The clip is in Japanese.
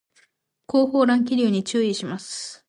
後方乱気流に注意します